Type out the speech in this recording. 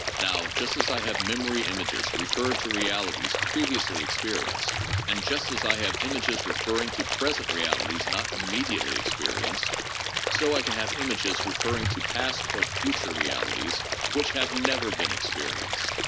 Now, just as I have memory images referred to realities pre viously experienced, and just as I have images referring to present realities not immediately experienced, so I can have images re ferring to past or future realities which have never been experi enced.